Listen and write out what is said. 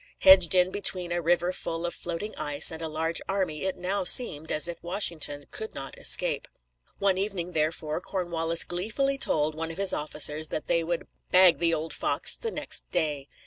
Hedged in between a river full of floating ice and a large army, it now seemed as if Washington could not escape. One evening, therefore, Cornwallis gleefully told one of his officers that they would "bag the old fox" on the next day.